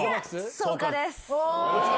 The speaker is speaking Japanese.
草加です！